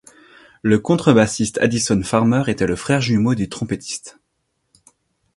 Le contrebassiste Addison Farmer était le frère jumeau du trompettiste.